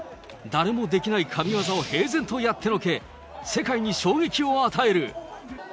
誰もできない神技を平然とやってのけ、世界に衝撃を与える。